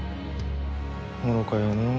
愚かよのう。